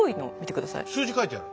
数字書いてある。